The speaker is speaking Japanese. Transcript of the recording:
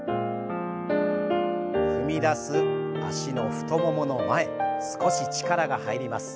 踏み出す脚の太ももの前少し力が入ります。